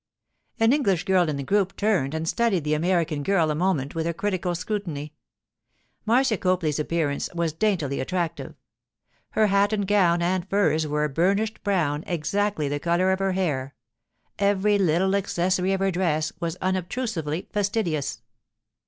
An English girl in the group turned and studied the American girl a moment with a critical scrutiny. Marcia Copley's appearance was daintily attractive. Her hat and gown and furs were a burnished brown exactly the colour of her hair; every little accessory of her dress was unobtrusively fastidious.